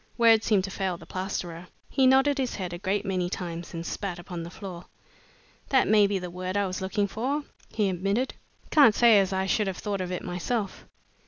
Words seemed to fail the plasterer. He nodded his head a great many times and spat upon the floor. "That may be the word I was looking for," he admitted. "Can't say as I should have thought of it myself.